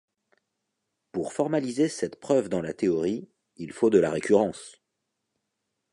Pour formaliser cette preuve dans la théorie, il faut de la récurrence.